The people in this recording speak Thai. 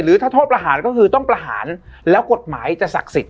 ถ้าโทษประหารก็คือต้องประหารแล้วกฎหมายจะศักดิ์สิทธิ